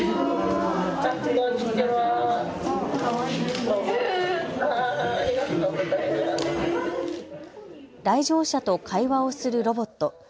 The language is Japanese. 来場者と会話をするロボット。